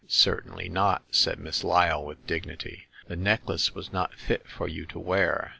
Certainly not !"' said Miss Lyle, with dignity. "The necklace was not fit for you to wear.